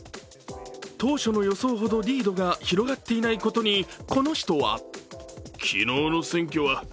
当初の予想ほどリードが広がっていないことにこの人は。